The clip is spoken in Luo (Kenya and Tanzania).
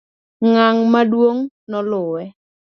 ng'ang' maduong' noluwe